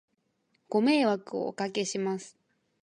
ご迷惑をお掛けします